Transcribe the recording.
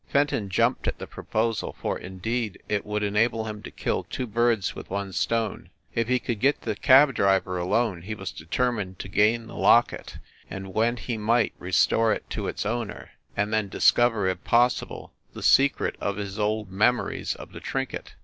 Fenton jumped at the proposal, for, indeed, it would enable him to kill two birds with one stone. If he could once get the cab driver alone he was de termined to gain the locket, and, when he might, restore it to its owner and then discover, if pos sible, the secret of his old memories of the trinket.